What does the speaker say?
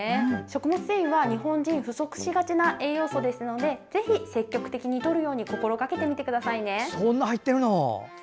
食物繊維は日本人に不足しがちな栄養素ですのでぜひ積極的にとるように心がけてみてくださいね。